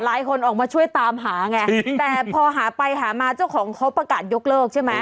หลายคนออกมาช่วยตามหาไงแต่พอหาไปหามาเจ้าของเขาประกาศยกเลิกใช่ไหม